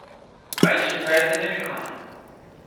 .ولی شکایتی نمی کنه.